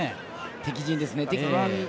敵陣ですね。